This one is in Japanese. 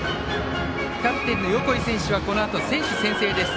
キャプテンの横井選手はこのあと、選手宣誓です。